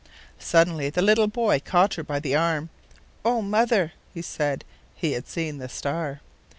Suddenly the little boy caught her by the arm. "Oh, mother," he said. He had seen the star.